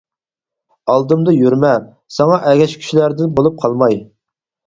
ئالدىمدا يۈرمە، ساڭا ئەگەشكۈچىلەردىن بولۇپ قالماي.